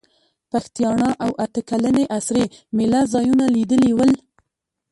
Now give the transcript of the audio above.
پښتیاڼا او اته کلنې اسرې مېله ځایونه لیدلي ول.